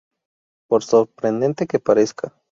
Por sorprendente que parezca